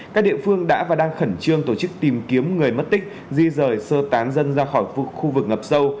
các địa phương đã và đang khẩn trương tổ chức tìm kiếm người mất tích di rời sơ tán dân ra khỏi khu vực ngập sâu